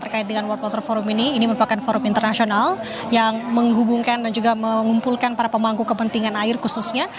terkait dengan world water forum ini ini merupakan forum internasional yang menghubungkan dan juga mengumpulkan para pemangku kepentingan air khususnya